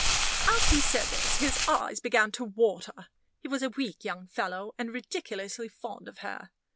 As he said this his eyes began to water. He was a weak young fellow, and ridiculously fond of her.